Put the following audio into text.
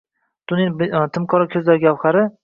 Unin timqora ko’zlari gavhari!